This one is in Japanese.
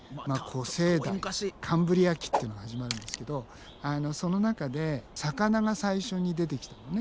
古生代カンブリア紀っていうのが始まるんですけどその中で魚が最初に出てきたのね。